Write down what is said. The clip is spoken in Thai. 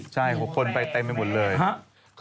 ใช่เพราะคนไปเต็มไม่หมดเลยฮะเซียนแปะ